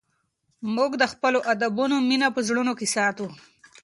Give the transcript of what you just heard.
موږ د خپلو ادیبانو مینه په زړونو کې ساتو.